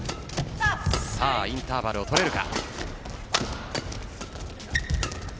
インターバルを取れるか。